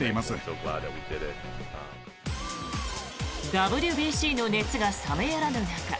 ＷＢＣの熱が冷めやらぬ中